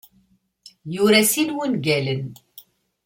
Yura sin wungalen.